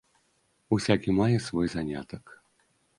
Усякі мае свой занятак.